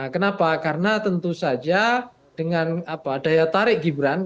kenapa karena tentu saja dengan daya tarik gibran